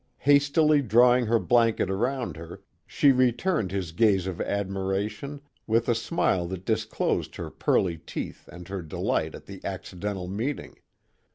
Hastily drawing her blanket around her she returned his gaze of ad miration with a smile that disclosed her pearly teeth and her delight at the accidental meeting.